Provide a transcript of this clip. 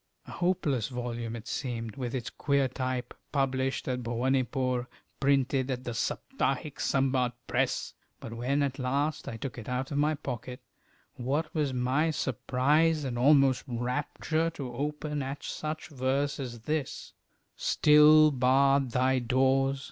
A hopeless volume it seemed, with its queer type, published at Bhowanipore, printed at the Saptahiksambad Press! But when at last I took it out of my pocket, what was my surprise and almost rapture to open at such verse as this: Still barred thy doors!